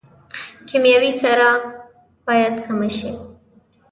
کیمیاوي سره باید کمه شي